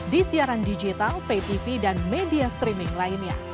di siaran digital pay tv dan media streaming lainnya